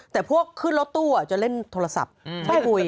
แต่พวกขึ้นรถตู้จะเล่นโทรศัพท์ไม่คุย